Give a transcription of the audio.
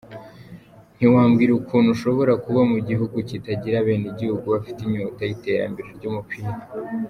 Ntiwambwira ukuntu ushobora kuba mu gihugu kitagira abanegihugu bafite inyota y’iterambere ry’umupira.